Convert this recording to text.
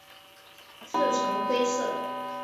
刺呈灰色。